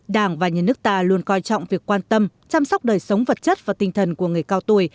đảng và nhân nước ta luôn coi trọng việc quan tâm chăm sóc đời sống vật chất và tinh thần của người cao tuổi